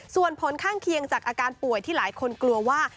ส่วนผลข้างเคียงจากอาการป่วยที่หลายคนกลัวว่า